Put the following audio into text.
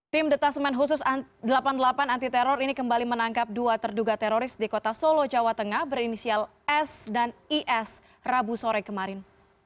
tim detasemen khusus delapan puluh delapan anti teror ini kembali menangkap dua terduga teroris di kota solo jawa tengah berinisial s dan is rabu sore kemarin